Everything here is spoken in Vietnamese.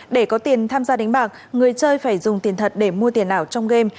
để có tiền tham gia đánh bạc người chơi phải dùng tiền thật để mua tiền ảo trong game